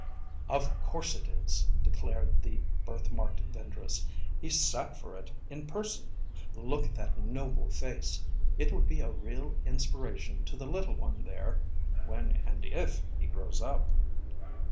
"Of course it is," declared the birthmarked vendress. "He sat for it in person. Look at that noble face. It would be a real inspiration to the little one there, when and if he grows up."